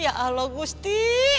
ya allah gusti